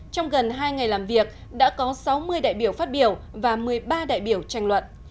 trong gần hai ngày làm việc đã có sáu mươi đại biểu phát biểu và một mươi ba đại biểu tranh luận